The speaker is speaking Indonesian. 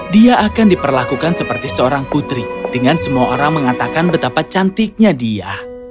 dia akan diperlakukan seperti seorang putri dengan semua orang mengatakan betapa cantiknya dia